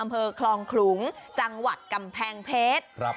อำเภอคลองขลุงจังหวัดกำแพงเพชร